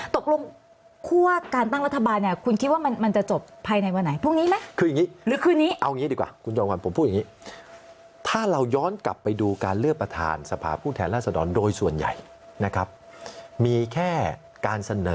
ตกลงคั่วการตั้งรัฐบาลเนี่ยคุณคิดว่ามันจะจบภายในวันไหนพรุ่งนี้ไหม